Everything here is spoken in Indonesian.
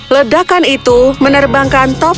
ledakan itu menerbangkan toko